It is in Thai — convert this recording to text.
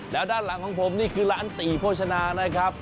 แล้วด้านหลังของผมนี่คือร้านตีโภชนานะครับ